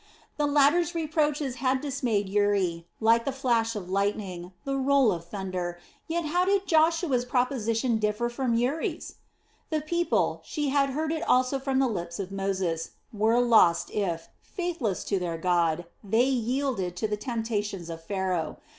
The latter's reproaches had dismayed Uri like the flash of lightning, the roll of thunder, yet how did Joshua's proposition differ from Uri's? The people she had heard it also from the lips of Moses were lost if, faithless to their God, they yielded to the temptations of Pharaoh.